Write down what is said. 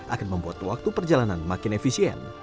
akan membuat waktu perjalanan makin efisien